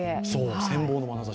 羨望のまなざし。